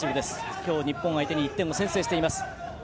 今日、日本相手に１点先制しています。